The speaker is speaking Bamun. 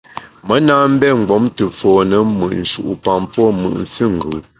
Me na mbé mgbom te fone mùt nshu’pam pô mùt füngù.